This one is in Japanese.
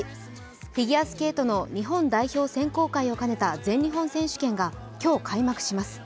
フィギュアスケートの日本代表選考会を兼ねた全日本選手権が今日、開幕します。